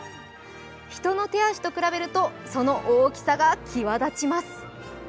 人の手足と比べるとその大きさが際立ちます。